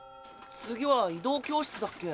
次は移動教室だっけ？